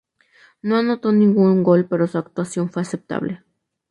No anotó ningún gol pero su actuación fue aceptable.